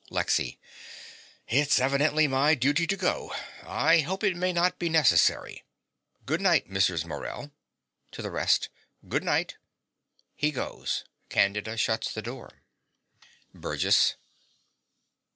LEXY. It's evidently my duty to go. I hope it may not be necessary. Good night, Mrs. Morell. (To the rest.) Good night. (He goes. Candida shuts the door.) BURGESS.